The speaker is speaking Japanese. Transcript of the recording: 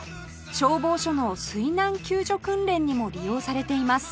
消防署の水難救助訓練にも利用されています